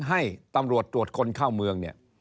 ให้ตำรวจตรวจคนเข้าเมืองเนี่ย